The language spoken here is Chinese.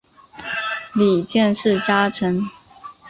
里见氏家臣。